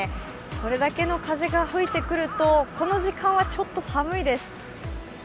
これだけの風が吹いてくるとこの時間はちょっと寒いです。